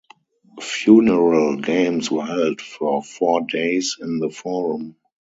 Funeral games were held for four days in the forum.